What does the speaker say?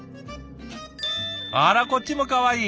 あらこっちもかわいい。